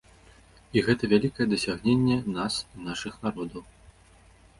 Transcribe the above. І гэта вялікае дасягненне нас і нашых народаў.